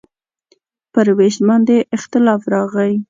پر وېش باندې اختلاف راغی.